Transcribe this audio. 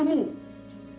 aku sudah selesai